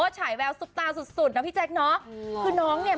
ฉายแววซุบตาสุดนะพี่แจ๊คเนาะ